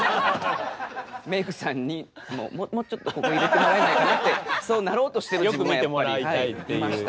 メークさんに「もうちょっとここ入れてもらえないかな」ってそうなろうとしてる自分がやっぱりいました。